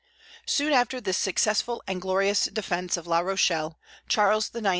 Soon after this successful and glorious defence of La Rochelle, Charles IX.